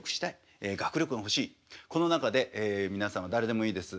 この中で皆様誰でもいいです。